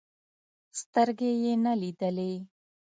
سترګې يې نه لیدلې.